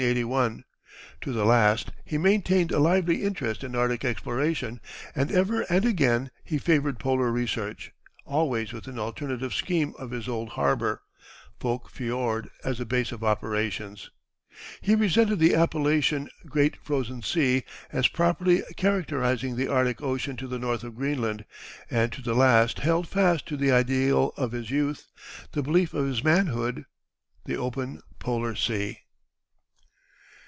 To the last he maintained a lively interest in Arctic exploration, and ever and again he favored polar research, always with an alternative scheme of his old harbor, Foulke fiord, as the base of operations. He resented the appellation "Great Frozen Sea" as properly characterizing the Arctic Ocean to the north of Greenland, and to the last held fast to the ideal of his youth, the belief of his manhood, "The Open Polar Sea."